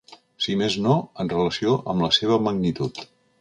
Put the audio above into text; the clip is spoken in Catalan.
Si més no, en relació amb la seva magnitud.